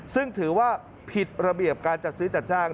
ซึ่งถือว่าผิดระเบียบการจัดซื้อจัดจ้าง